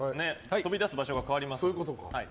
飛び出す場所が変わります。